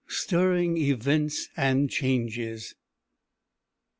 STIRRING EVENTS AND CHANGES.